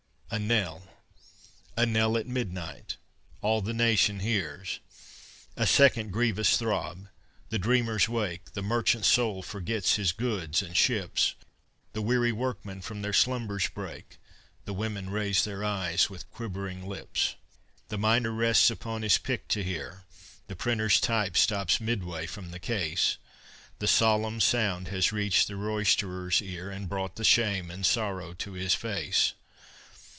a knell A knell at midnight! All the nation hears! A second grievous throb! The dreamers wake The merchant's soul forgets his goods and ships; The weary workmen from their slumbers break; The women raise their eyes with quivering lips; The miner rests upon his pick to hear; The printer's type stops midway from the case; The solemn sound has reached the roysterer's ear, And brought the shame and sorrow to his face.